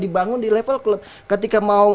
dibangun di level klub ketika mau